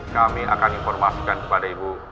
kami akan informasikan kepada ibu